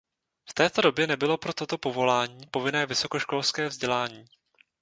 V té době nebylo pro toto povolání povinné vysokoškolské vzdělání.